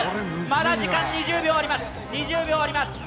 まだ時間２０秒あります。